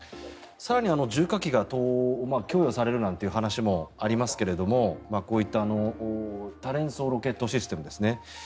更に重火器が供与されるなんて話もありますがこういった多連装ロケットシステムですね。